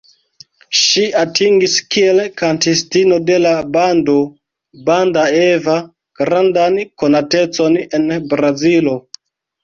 Ŝi atingis kiel kantistino de la bando "Banda Eva" grandan konatecon en Brazilo.